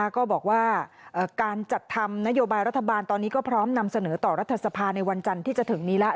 ก็บอกว่าการจัดทำนโยบายรัฐบาลตอนนี้ก็พร้อมนำเสนอต่อรัฐสภาในวันจันทร์ที่จะถึงนี้แล้ว